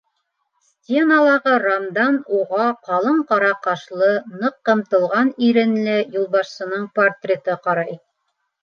Стеналағы рамдан уға ҡалын ҡара ҡашлы, ныҡ ҡымтылған иренле юлбашсының портреты ҡарай.